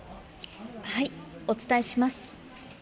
お伝えします。